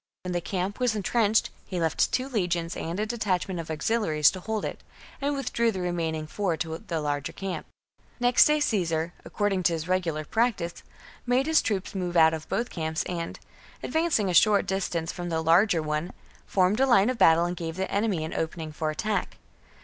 When the camp was en trenched, he left two legions and a detachment of auxiliaries to hold it, and withdrew the remaining four to the larger camp. TheGer 5 Q. Ncxt day Cacsar, according to his regular mans from .. superstition oractice, made his troops move out of both camps, delaytofight ^,,.,^,. r 11 a pitched and, advancmg a short distance from the larger one, formed line of battle and gave the enemy an opening for attack.